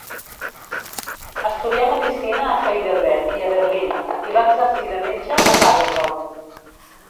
Estudià medicina a Heidelberg i a Berlín, i va exercir de metge a Paderborn.